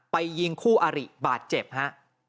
ยิงคู่อาริบาดเจ็บฮะ